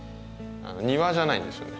庭じゃないんですよね。